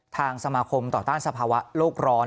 ทางสมาคมต่อต้านสภาวะโลกร้อน